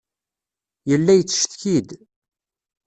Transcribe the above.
Yella yettcetki-d.